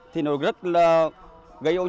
thì nó rất gây ô nhiễm